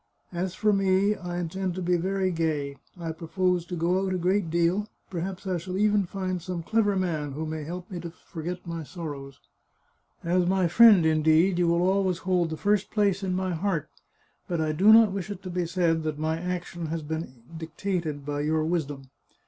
As for me, I intend to be very gay; I propose to go out a great deal; perhaps I shall even find some clever man who may help me to forget my sorrows. As a friend, indeed, you will always hold the first place in my heart, but I do not wish it to be said that my action has been dic tated by your wisdom.